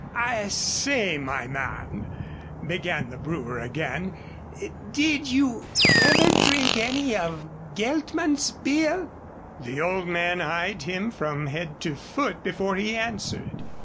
"I say, my man," began the brewer again, "did you ever drink any of Geltman's beer?" The old man eyed him from head to foot before he answered.